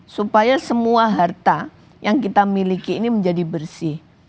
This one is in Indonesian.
supaya semua harta yang kita miliki ini menjadi bersih